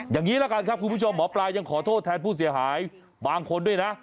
อย่างนี้ละกันครับคุณผู้ชมหมอปลายังขอโทษแทนผู้เสียหายบางคนด้วยนะ